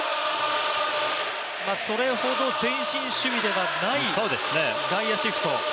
それほど前進守備ではない外野シフト。